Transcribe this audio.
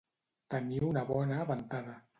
Tenir una bona ventada.